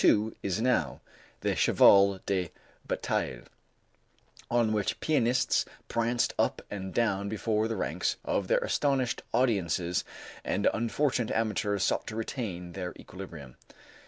2" is now the cheval de battaille, on which pianists pranced up and down before the ranks of their astonished audiences and unfortunate amateurs sought to retain their equilibrium.